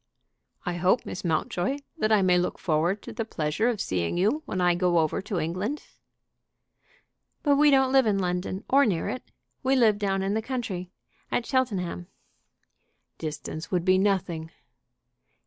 "I hope, Miss Mountjoy, that I may look forward to the pleasure of seeing you when I go over to England." "But we don't live in London, or near it. We live down in the country at Cheltenham." "Distance would be nothing."